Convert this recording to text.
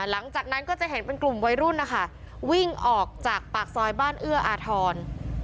หลังจากนั้นก็จะเห็นเป็นกลุ่มวัยรุ่นนะคะวิ่งออกจากปากซอยบ้านเอื้ออาทร